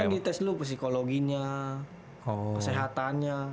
itu kan dites dulu psikologinya kesehatannya